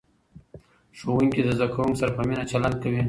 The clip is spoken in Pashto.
ښوونکي د زده کوونکو سره په مینه چلند کوي.